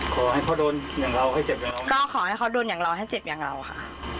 ขอให้เขาโดนอย่างเราให้เจ็บอย่างเราก็ขอให้เขาโดนอย่างเราให้เจ็บอย่างเราค่ะ